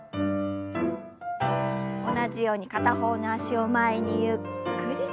同じように片方の脚を前にゆっくりと。